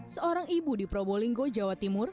seorang ibu di probolinggo jawa timur